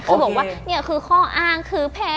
เขาบอกว่านี่คือข้ออ้างคือแพ้